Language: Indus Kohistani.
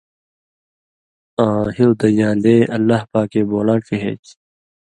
آں ہیُودژان٘لے (اللہ پاکے) بولاں ڇِہے چھی۔